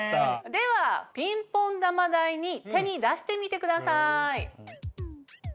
ではピンポン球大に手に出してみてください。